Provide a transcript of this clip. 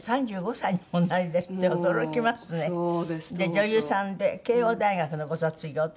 女優さんで慶應大学のご卒業で。